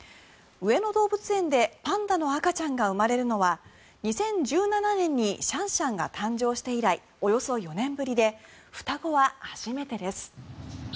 上野動物園でパンダの赤ちゃんが生まれるのは２０１７年にシャンシャンが誕生して以来およそ４年ぶりで双子は初めてです。